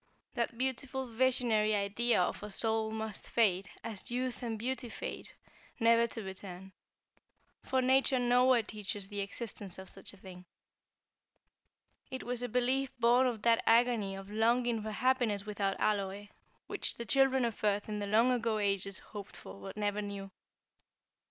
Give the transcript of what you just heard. That beautiful visionary idea of a soul must fade, as youth and beauty fade, never to return; for Nature nowhere teaches the existence of such a thing. It was a belief born of that agony of longing for happiness without alloy, which the children of earth in the long ago ages hoped for, but never knew.